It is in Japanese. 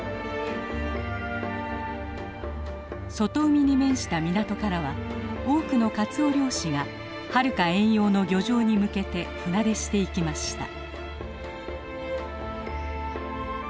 外海に面した港からは多くのかつお漁師がはるか遠洋の漁場に向けて船出していきました。